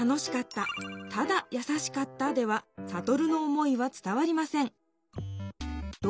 ただ「やさしかった」ではサトルの思いは伝わりません